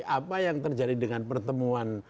apa yang terjadi dengan pertemuan